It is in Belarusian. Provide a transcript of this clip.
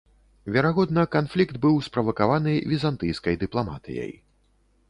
Верагодна, канфлікт быў справакаваны візантыйскай дыпламатыяй.